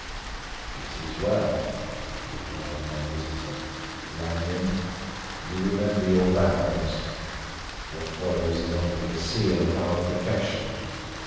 "It is well," replied my visitor. "Lanyon, you remember your vows: what follows is under the seal of our profession.